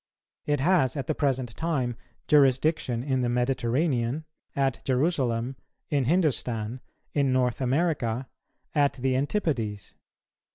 It has at the present time jurisdiction in the Mediterranean, at Jerusalem, in Hindostan, in North America, at the Antipodes.